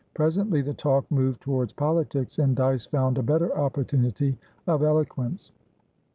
Presently the talk moved towards politics, and Dyce found a better opportunity of eloquence.